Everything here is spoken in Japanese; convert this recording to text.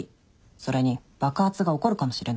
それに爆発が起こるかもしれないんだよ。